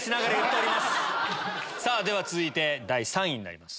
では続いて第３位になります。